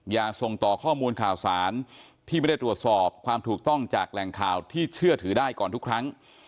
อย่าส่งต่อข้อมูลข่าวสารที่ไม่ได้ตรวจสอบความถูกต้องจากแหล่งข่าวที่เชื่อถือได้ก่อนทุกครั้ง